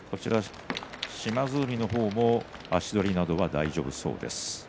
島津海の方も足取りなどは大丈夫そうです。